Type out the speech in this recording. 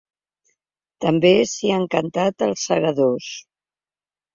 També s’hi han cantat ‘Els segadors’.